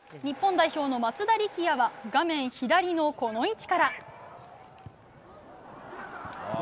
日本代表の松田力也は画面左の、この位置から。